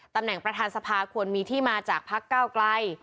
ตำแหน่งประธานสภาควรมีที่มาจากพักเก้าไกล